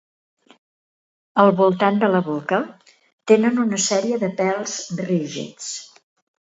Al voltant de la boca tenen una sèrie de pèls rígids.